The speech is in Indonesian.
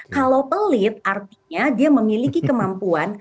kalau pelit artinya dia memiliki kemampuan